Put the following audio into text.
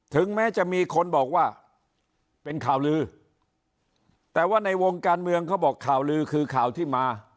ถึงแม้จะมีคนบอกว่าเป็นข่าวลือแต่ว่าในวงการเมืองเขาบอกข่าวลือคือข่าวที่มา